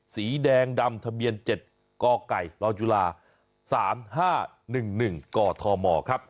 สีแดงดำทะเบียน๗กไก่ลจุฬา๓๕๑๑กธมครับ